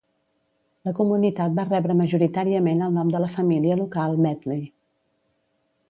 La comunitat va rebre majoritàriament el nom de la família local Medley.